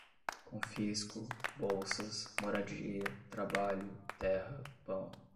Confisco, bolsas, moradia, trabalho, terra, pão